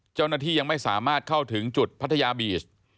เจ้าหน้าที่ยังไม่สามารถเข้าถึงจุดพัทยาบีช